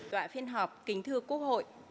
đoạn phiên họp kinh thư quốc hội